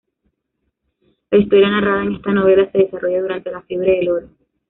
La historia narrada en esta novela se desarrolla durante la Fiebre del Oro.